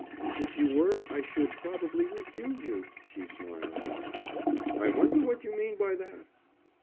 "If you were I should probably refuse you," she smiled. "I wonder what you mean by that?"